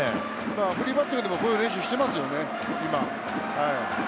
フリーバッティングでも今こういう練習をしていますよね。